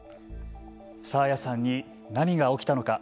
爽彩さんに何が起きたのか。